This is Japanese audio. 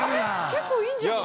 結構いいんじゃない？